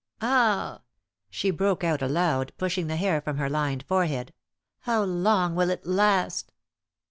Ah!" she broke out aloud, pushing the hair from her lined forehead. "How long will it last?"